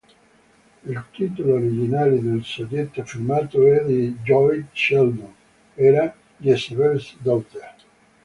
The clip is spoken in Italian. Il titolo originale del soggetto firmato da E. Lloyd Sheldon era "Jezebel's Daughter".